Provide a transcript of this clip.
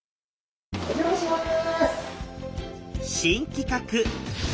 お邪魔します。